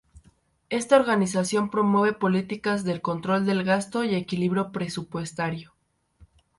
Esta organización promueve políticas de control del gasto y equilibrio presupuestario.